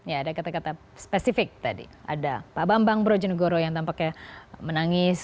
ya ada kata kata spesifik tadi ada pak bambang brojonegoro yang tampaknya menangis